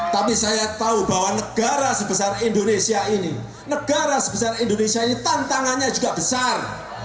tapi saya tahu bahwa negara sebesar indonesia ini negara sebesar indonesia ini tantangannya juga besar